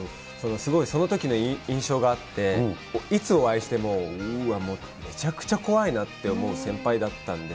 すごいそのときの印象があって、いつお会いしても、うわっ、むちゃくちゃ怖いなって思う先輩だったんです。